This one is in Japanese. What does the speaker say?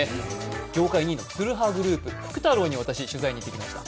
業界２位のツルハグループ、福太郎に取材に行ってきました。